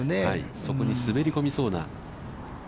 そこに滑り込みそうな小